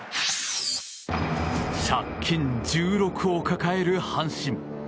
借金１６を抱える阪神。